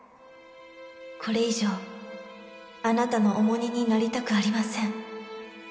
「これ以上あなたの重荷になりたくありません」